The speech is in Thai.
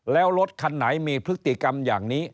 แล้วรถคันไหนมีพฤติกรรมอย่างนี้